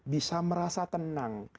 bisa merasa tenang